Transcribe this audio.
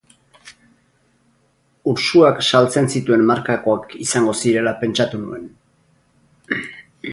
Ursuak saltzen zituen markakoak izango zirela pentsatu nuen.